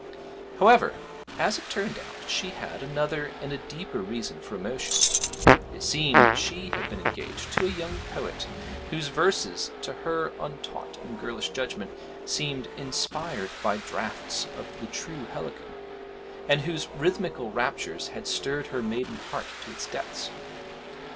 However, as it turned out, she had another and a deeper reason for emotion: it seemed she had been engaged to a young poet whose verses, to her untaught and girlish judgment, seemed inspired by draughts of the true Helicon, and whose rhythmical raptures had stirred her maiden heart to its depths.